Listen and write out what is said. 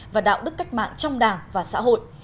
và đạo đức cách mạng trong đảng và xã hội